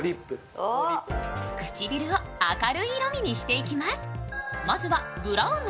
唇を明るい色味にしていきます。